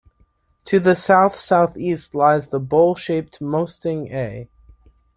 To the south-southeast lies the bowl-shaped Mösting A.